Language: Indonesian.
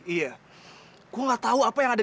iya gue gak tau apa yang ada